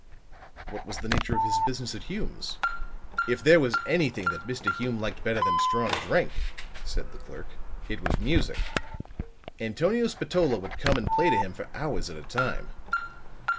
"What was the nature of his business at Hume's?" "If there was anything that Mr. Hume liked better than strong drink," said the clerk, "it was music. Antonio Spatola would come and play to him for hours at a time."